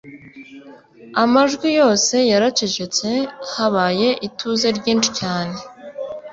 amajwi yose yaracecetse habaye ituze ryinshi cyane